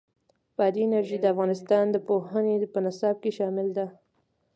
بادي انرژي د افغانستان د پوهنې په نصاب کې شامل ده.